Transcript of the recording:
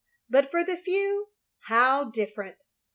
But for the few, how different!